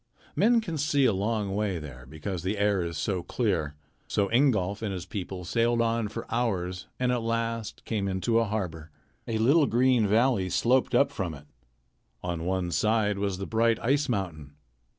Men can see a long way there because the air is so clear. So Ingolf and his people sailed on for hours and at last came into a harbor. A little green valley sloped up from it. On one side was the bright ice mountain.